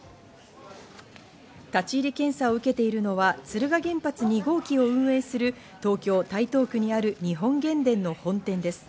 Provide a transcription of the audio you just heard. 立ち入り検査を受けているのは敦賀原発２号機を運営する東京・台東区にある日本原電の本店です。